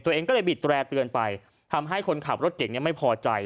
ตัวเองก็เลยบีดแร่เตือนไปทำให้คนขับรถเก่งเนี่ยไม่พอใจ